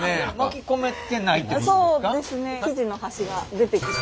そうですね生地の端が出てきて。